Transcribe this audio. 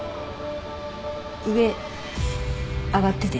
上上がってて。